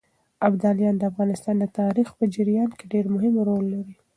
ابداليان د افغانستان د تاريخ په جريان کې ډېر مهم رول لري.